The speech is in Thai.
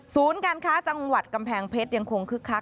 การค้าจังหวัดกำแพงเพชรยังคงคึกคัก